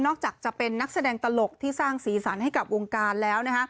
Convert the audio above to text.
จากจะเป็นนักแสดงตลกที่สร้างสีสันให้กับวงการแล้วนะคะ